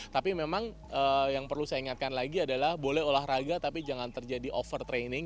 tapi memang yang perlu saya ingatkan lagi adalah boleh olahraga tapi jangan terjadi overtraining